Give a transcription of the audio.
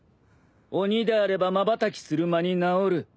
鬼であればまばたきする間に治る。